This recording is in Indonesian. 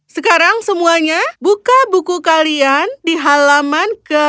sekarang semuanya buka buku kalian di halaman ke